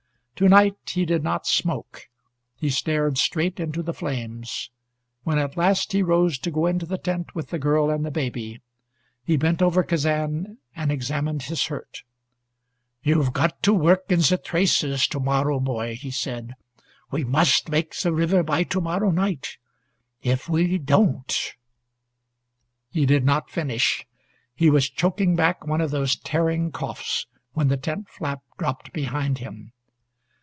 To night he did not smoke. He stared straight into the flames. When at last he rose to go into the tent with the girl and the baby, he bent over Kazan and examined his hurt. "You've got to work in the traces to morrow, boy," he said. "We must make the river by to morrow night. If we don't " He did not finish. He was choking back one of those tearing coughs when the tent flap dropped behind him.